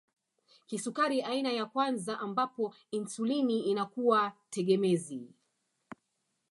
Kisukari aina ya kwanza ambapo insulini inakuwa tegemezi